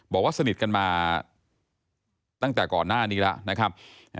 บอกว่าสนิทกันมาตั้งแต่ก่อนหน้านี้แล้วนะครับ